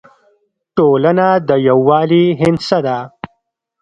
ټولنه د یووالي هندسه ده.